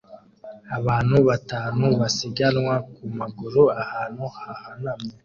Abantu batanu basiganwa ku maguru ahantu hahanamye